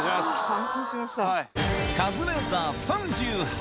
安心しました。